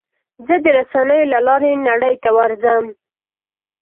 زه د رسنیو له لارې نړۍ ته ورځم.